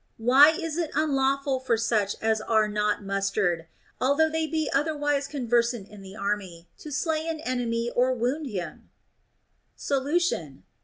Why is it unlawful for such as are not mustered (although they be otherwise conversant in the army) to slay an enemy or wound him \ Solution.